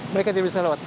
mereka tidak bisa lewat